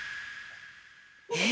えっ？